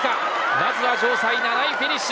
まずは城西が７位フィニッシュ。